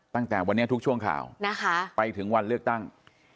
ตั้งแต่วันนี้ทุกช่วงข่าวนะคะไปถึงวันเลือกตั้ง